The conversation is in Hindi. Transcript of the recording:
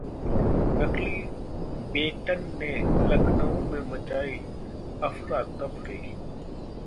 नकली बेटन ने लखनऊ में मचायी अफरातफरी